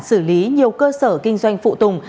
xử lý nhiều cơ sở kinh doanh phụ tùng